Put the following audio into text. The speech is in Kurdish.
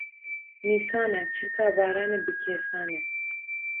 Nîsan e çilka baranê bi kêsane